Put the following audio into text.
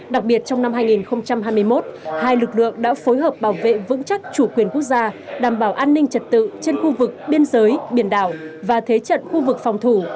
đặc biệt trong năm hai nghìn hai mươi một hai lực lượng đã phối hợp bảo vệ vững chắc chủ quyền quốc gia đảm bảo an ninh trật tự trên khu vực biên giới biển đảo và thế trận khu vực phòng thủ